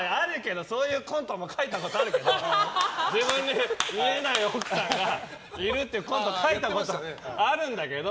そういうコントも書いたことあるけど自分に見えない奥さんがいるっていうコント書いたことあるんだけど。